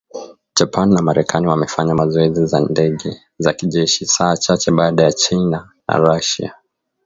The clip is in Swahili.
Japan na Marekani wamefanya mazoezi ya ndege za kijeshi saa chache baada ya China na Russia